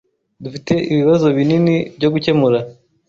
Dufite ibibazo binini byo gukemura.